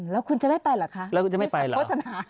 แล้วคุณจะไม่ไปหรอคะ